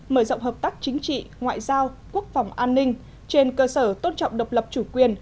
mở rộng hợp tác chính trị ngoại giao quốc phòng an ninh trên cơ sở tôn trọng độc lập chủ quyền